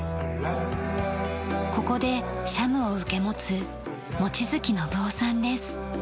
ここで社務を受け持つ望月伸夫さんです。